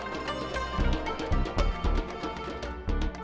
membuatnya lebih mudah dibandingkan dengan hewan lain